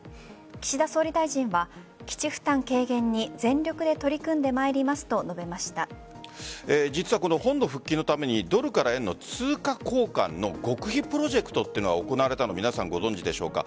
岸田総理大臣は基地負担軽減に全力で取り組んでまいりますと実はこの本土復帰のためにドルから円の通貨交換の極秘プロジェクトが行われたのを皆さん、ご存じでしょうか。